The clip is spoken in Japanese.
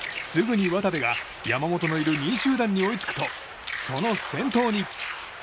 すぐに渡部が山本のいる２位集団に追いつくとその先頭に。